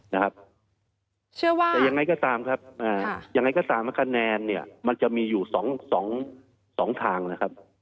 แต่ยังไงก็ตามคะแนนมันจะมีอยู่๒ทางนะครับ